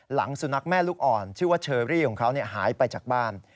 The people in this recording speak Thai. หลังสุนัขแม่ลูกอ่อนชื่อว่าเชอรี่หายไปจากบ้าน